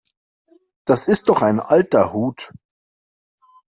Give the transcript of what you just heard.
Das ist doch ein alter Hut.